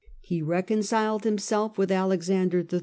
He reconciled himself with Alex ander III.